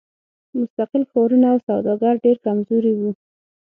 مستقل ښارونه او سوداګر ډېر کمزوري وو.